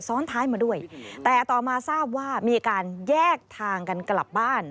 ซ้อนท้ายมาด้วยแต่ต่อมาทราบว่ามีการแยกทางกันกลับบ้าน